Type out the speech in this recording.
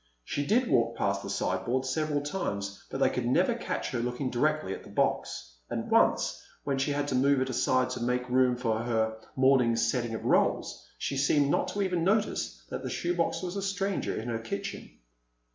She did walk past the sideboard several times, but they could never catch her looking directly at the box. And once, when she had to move it aside to make room for her morning's setting of rolls, she seemed not even to notice that the shoe box was a stranger in her kitchen.